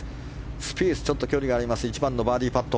スピース、ちょっと距離がある１番のバーディーパット。